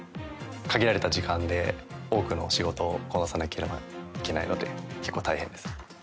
限られた時間で多くの仕事をこなさなければいけないので結構大変ですね。